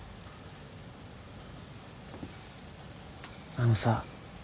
あのさ。